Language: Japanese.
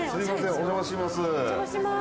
お邪魔します。